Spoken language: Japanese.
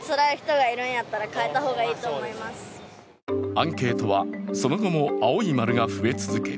アンケートは、その後も青い丸が増え続け